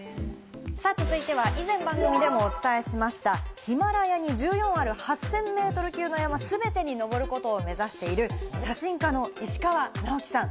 続いては以前、番組でもお伝えしました、ヒマラヤに１４ある８０００ｍ級の山全てに登ることを目指している写真家の石川直樹さん。